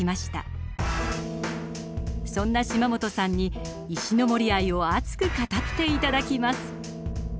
そんな島本さんに石森愛を熱く語って頂きます。